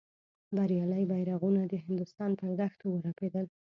بریالي بیرغونه د هندوستان پر دښتونو ورپېدل.